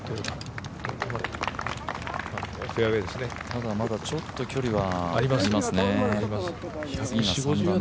ただ、まだちょっと距離はありますね。